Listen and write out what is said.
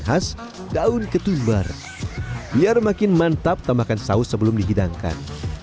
khas daun ketumbar biar makin mantap tambahkan saus sebelum dihidangkan